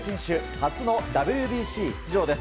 初のＷＢＣ出場です。